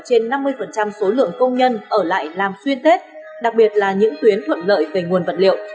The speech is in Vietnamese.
trên năm mươi số lượng công nhân ở lại làm xuyên tết đặc biệt là những tuyến thuận lợi về nguồn vật liệu